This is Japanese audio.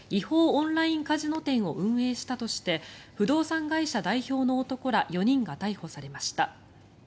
オンラインカジノ店を運営したとして不動産会社代表の男ら４人が逮捕されました。